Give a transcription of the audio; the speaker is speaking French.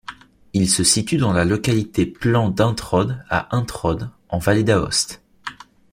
Il se situe dans la localité Plan d'Introd, à Introd, en Vallée d'Aoste.